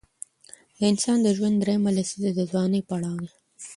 د انسان د ژوند دریمه لسیزه د ځوانۍ پړاو دی.